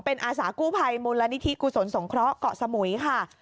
เป็นอาสากู้ภัยมูลนิธิกุศลสงเคราะห์เกาะสมุยค่ะ